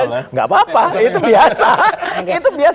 nggak apa apa sih itu biasa